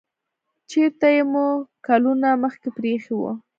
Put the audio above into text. چیرته چې مو کلونه مخکې پریښی و